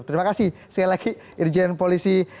terima kasih sekali lagi irjen polisi